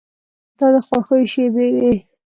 دا د خوښیو شېبې وې.